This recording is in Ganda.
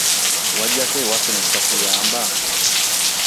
Wajjako ewaffe ne tutakuyamba?